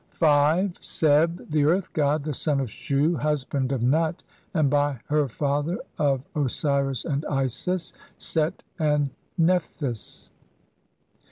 5. Seb, the earth god, the son of Shu, husband of Nut, and by her father of Osiris and Isis, Set and Nephthys.